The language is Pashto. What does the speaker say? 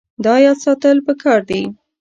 دا یاد ساتل پکار دي.